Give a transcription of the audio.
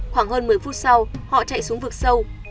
khoảng hơn một mươi phút sau họ chạy xuống vực sâu